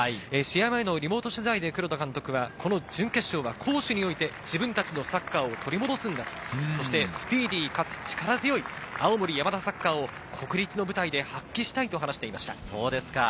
試合前のリモート取材で黒田監督は準決勝は攻守において自分たちのサッカーを取り戻すんだと、スピーディーかつ力強い青森山田サッカーを国立の舞台で発揮したいと話していました。